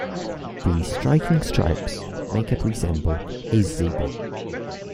The striking stripes make it resemble a zebra.